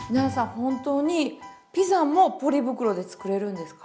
本当にピザもポリ袋で作れるんですか？